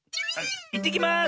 「いってきます！」